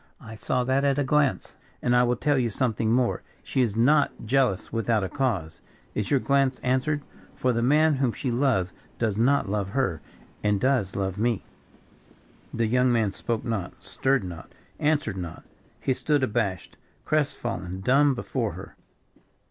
I saw that at a glance; and I will tell you something more; she is not jealous without a cause. Is your glance answered? For the man whom she loves, does not love her, and does love me." The young man spoke not, stirred not, answered not. He stood abashed, crest fallen, dumb before her.